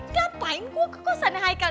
ngapain gue ke kosan haikal